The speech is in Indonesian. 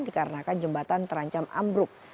dikarenakan jembatan terancam ambruk